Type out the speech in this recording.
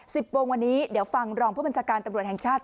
สิบโมงวันนี้เดี๋ยวฟังรองผู้บัญชาการตำรวจแห่งชาติ